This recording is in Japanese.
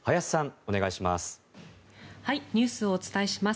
お願いします。